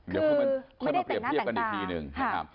เดี๋ยวก็มาเปรียบเตรียมกันอีกทีนึง